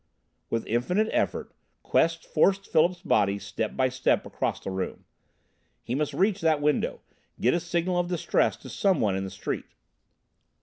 With infinite effort Quest forced Philip's body step by step across the room. He must reach that window, get a signal of distress to someone in the street.